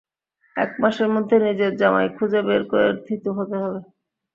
এক মাসের মধ্যে নিজের জামাই খুঁজে বের করে থিতু হতে হবে।